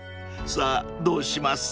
さぁどうします？］